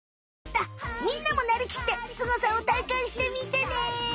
みんなもなりきってスゴさをたいかんしてみてね！